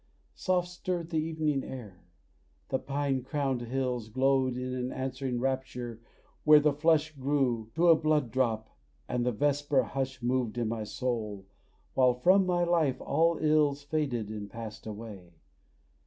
Soft stirred the evening air; the pine crowned hills Glowed in an answering rapture where the flush Grew to a blood drop, and the vesper hush Moved in my soul, while from my life all ills Faded and passed away.